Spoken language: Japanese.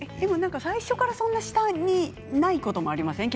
最初からそんなに下にないこともありませんか？